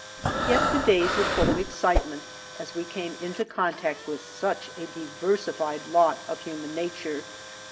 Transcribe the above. Yet the days were full of excitement, as we came into contact with such a diversified lot of human nature.